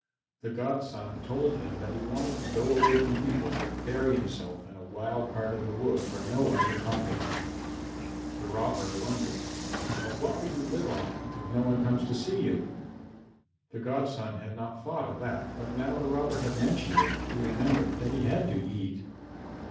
The godson told him that he wanted to go away from people and bury himself in a wild part of the wood where no one would come to him. The robber wondered. "But what will you live on if no one comes to see you?" The godson had not thought of that, but now the robber had mentioned it he remembered that he had to eat.